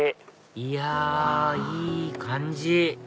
いやいい感じ！